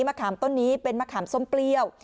มะขามต้นนี้เป็นมะขามส้มเปรี้ยว